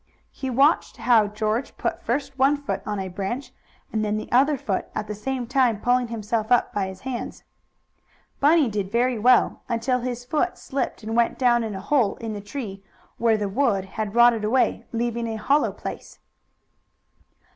He watched how George put first one foot on a branch and then the other foot, at the same time pulling himself up by his hands. Bunny did very well until his foot slipped and went down in a hole in the tree, where the wood had rotted away, leaving a hollow place.